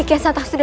kerajaan batu muda